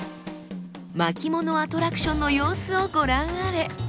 巻物アトラクションの様子をご覧あれ。